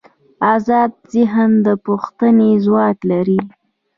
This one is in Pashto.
ازاد ذهن د پوښتنې ځواک لري.